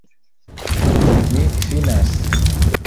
Mi finas.